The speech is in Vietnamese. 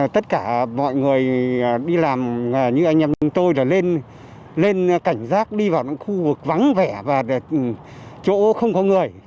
tất cả mọi người đi làm như anh em tôi lên cảnh giác đi vào những khu vực vắng vẻ và chỗ không có người